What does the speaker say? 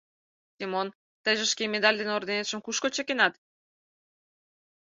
Семон, тыйже шке медаль ден орденетым кушко чыкенат?